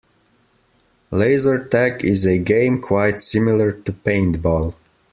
Laser tag is a game quite similar to paintball.